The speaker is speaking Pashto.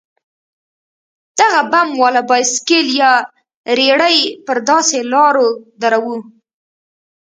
دغه بم والا بايسېکل يا رېړۍ پر داسې لارو دروو.